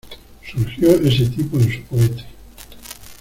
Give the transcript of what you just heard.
Surgió ese tipo en su cohete